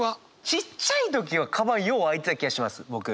ちっちゃい時はかばんよう開いてた気がします僕。